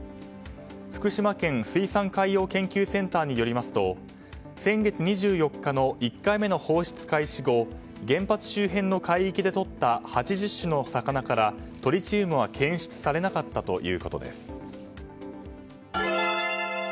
福島県水産海洋研究センターによりますと先月２４日の１回目の放出開始後原発周辺の海域でとった８０種の魚からトリチウムは検出されなかったということです。